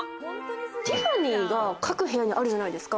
ティファニーが各部屋にあるじゃないですか。